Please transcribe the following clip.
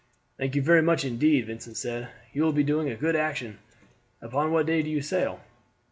"Thank you very much indeed," Vincent said; "you will be doing a good action. Upon what day do you sail?"